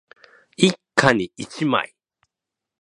一家に一枚